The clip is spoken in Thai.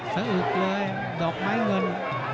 อึกเลยดอกไม้เงิน